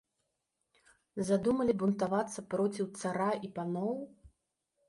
Задумалі бунтавацца проціў цара і паноў.